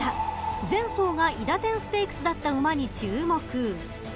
［前走が韋駄天ステークスだった馬に注目］